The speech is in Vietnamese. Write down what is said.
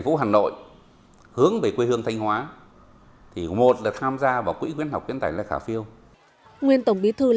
từ nguồn quỹ này hội khuyến học khuyến tài lê khả phiêu được công bố